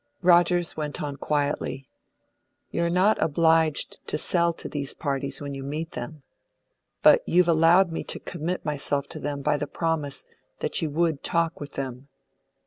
Rogers went on quietly: "You're not obliged to sell to these parties when you meet them; but you've allowed me to commit myself to them by the promise that you would talk with them."